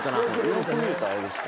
よく見るとあれでした。